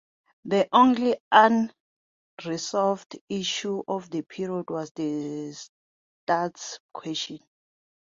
The only unresolved issue of the period was the Straits Question.